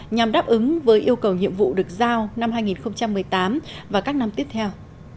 nhằm đáp ứng với yêu cầu nhiệm vụ được giao năm hai nghìn một mươi tám và các năm tiếp theo